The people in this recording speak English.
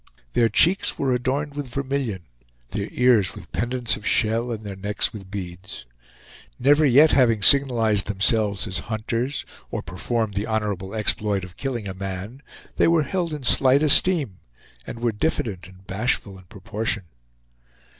Their cheeks were adorned with vermilion, their ears with pendants of shell, and their necks with beads. Never yet having signalized themselves as hunters, or performed the honorable exploit of killing a man, they were held in slight esteem, and were diffident and bashful in proportion.